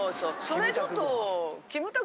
それちょっと。